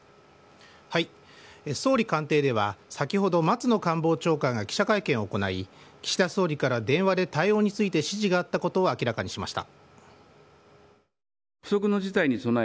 総理官邸では先ほど松野官房長官が記者会見を行い岸田総理から電話で対応について指示があったことを明らかにしました。